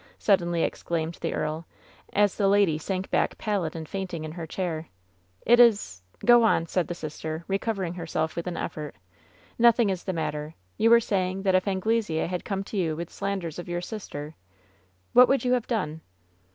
suddenly ex claimed the earl, as the lady sank back pallid and faint ing in her chair. "It is Go on,'' said the sister, recovering herself with an effort. "Nothing is the matter. You were say ing that if Anglesea had come to you with slanders of your sister What would you have done